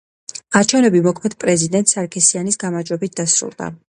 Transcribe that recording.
არჩევნები მოქმედ პრეზიდენტ სარქისიანის გამარჯვებით დასრულდა.